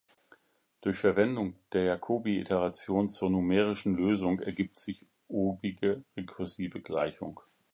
Durch Verwendung der Jacobi-Iteration zur numerischen Lösung ergibt sich obige rekursive Gleichung.